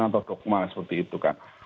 atau dogma seperti itu kan